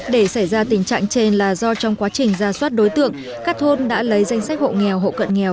để xảy ra tình trạng trên là do trong quá trình ra soát đối tượng các thôn đã lấy danh sách hộ nghèo hộ cận nghèo